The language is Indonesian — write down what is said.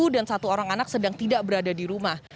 dan satu orang anak sedang tidak berada di rumah